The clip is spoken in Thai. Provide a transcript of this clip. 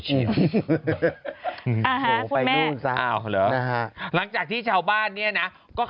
หลังจากที่ชาวบ้านเนี่ยนะ